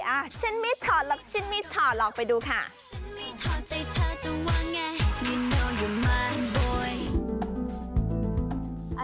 อ่าฉันไม่ถอดหรอกฉันไม่ถอดหรอกไปดูค่ะ